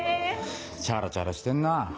チャラチャラしてんな。